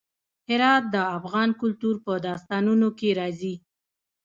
هرات د افغان کلتور په داستانونو کې راځي.